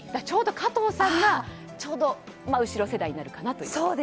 ちょうど加藤さんが後ろ世代になるかなと。